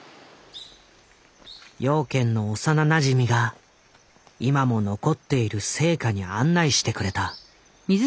養賢の幼なじみが今も残っている生家に案内してくれた。